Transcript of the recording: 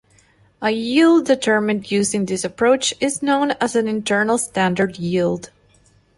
A yield determined using this approach is known as an "internal standard yield".